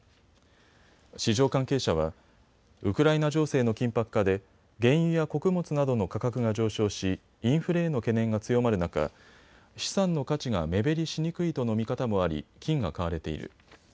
市場関係者はウクライナ情勢の緊迫化で原油や穀物などの価格が上昇しインフレの懸念が強まる中、資産の価値が目減りしにくいとの見方もあり金が買われている。